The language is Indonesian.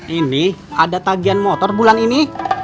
ini ada tagian motor bulan ini